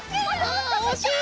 あおしい！